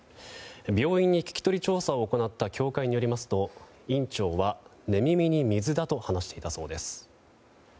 病院に聞き取り調査を行った協会によりますと院長は寝耳に水だと話していたそうです。